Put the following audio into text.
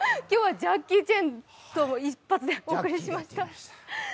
今日はジャッキー・チェンと共にお送りしました。